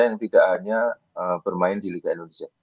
yang tidak hanya bermain di liga indonesia